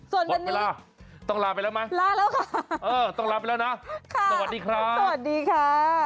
หมดเวลาต้องลาไปแล้วไหมต้องลาไปแล้วนะสวัสดีครับสวัสดีค่ะ